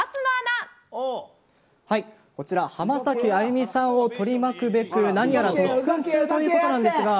こちら浜崎あゆみさんを取り巻くべく何やら準備中ということですが。